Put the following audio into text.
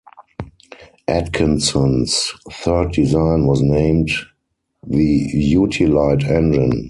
Atkinson's third design was named the "Utilite Engine".